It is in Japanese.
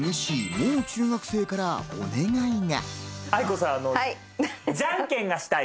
もう中学生からお願いが。